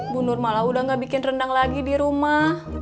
bu nurmala udah gak bikin rendang lagi di rumah